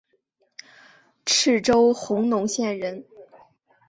虢州弘农县人。